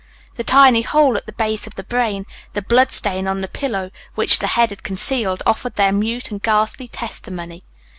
The tiny hole at the base of the brain, the blood stain on the pillow, which the head had concealed, offered their mute and ghastly testimony.